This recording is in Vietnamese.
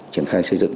triển khai xây dựng